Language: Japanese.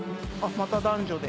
また男女で。